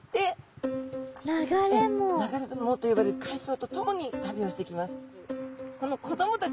流れ藻と呼ばれる海藻とともに旅をしていきます。